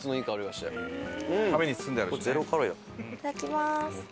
いただきます。